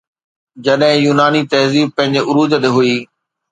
جڏهن يوناني تهذيب پنهنجي عروج تي هئي